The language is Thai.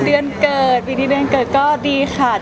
เดือนเกิดปีดีเดือนเกิดก็ดีค่ะ